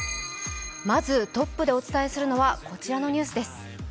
トップでお伝えするのはこちらのニュースです。